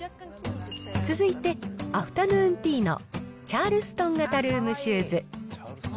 続いて、アフタヌーンティーのチャールストン型ルームシューズ。